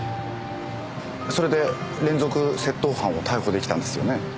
それで連続窃盗犯を逮捕できたんですよね？